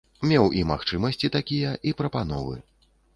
Меў і магчымасці такія, і прапановы.